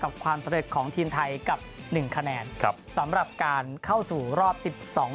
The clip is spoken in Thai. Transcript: ความสำเร็จของทีมไทยกับหนึ่งคะแนนครับสำหรับการเข้าสู่รอบสิบสอง